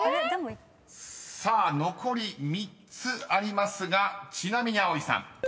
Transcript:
［さあ残り３つありますがちなみに葵さん］